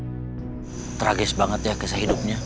hai hai komen tragis banget jaga sehidupnya